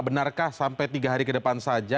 benarkah sampai tiga hari ke depan saja